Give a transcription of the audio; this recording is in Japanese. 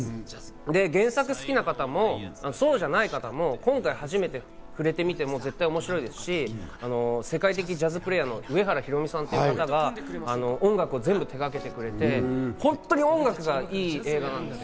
で、原作好きな方もそうじゃない方も、今回初めて触れてみても絶対面白いですし、世界的ジャズプレーヤーの上原ひろみさんという方が音楽を全部手掛けてくれていて、本当に音楽がいい映画なんです。